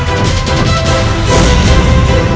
kau harus bisa kendalikan amarahmu